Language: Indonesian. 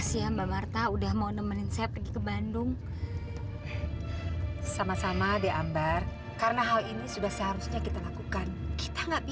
sampai jumpa di video selanjutnya